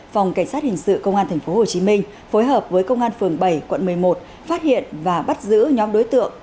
phòng cảnh sát hình sự công an tp hcm phối hợp với công an phường bảy quận một mươi một phát hiện và bắt giữ nhóm đối tượng